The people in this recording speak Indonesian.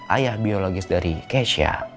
ayah biologis dari kesha